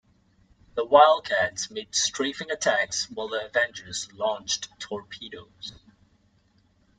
The Wildcats made strafing attacks while the Avengers launched torpedoes.